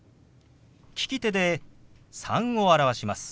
利き手で「３」を表します。